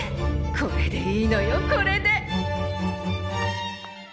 これでいいのよこれで！